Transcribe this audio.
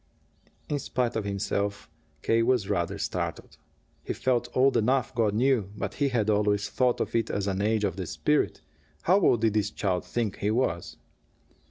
In spite of himself, K. was rather startled. He felt old enough, God knew, but he had always thought of it as an age of the spirit. How old did this child think he was?